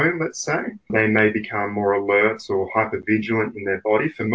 mereka mungkin menjadi lebih alert atau hypervigilant di tubuh mereka